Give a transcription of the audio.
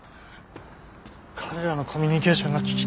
彼らのコミュニケーションが聞き取れない。